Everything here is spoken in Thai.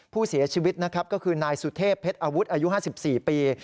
ผู้เสียชีวิตนะครับก็คือนายสุเทพเพชรอาวุธอายุ๕๔ปี